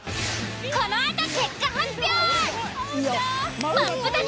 このあと結果発表！